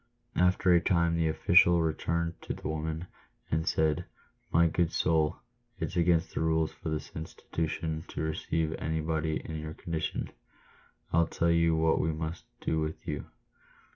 After a time the official returned to the woman, and said, " My good soul, it's against the rules of this institution to receive anybody in your condition. I'll tell you. what we must do with you.